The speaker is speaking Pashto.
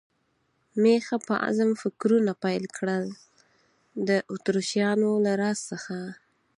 مې ښه په عزم فکرونه پیل کړل، د اتریشیانو له راز څخه.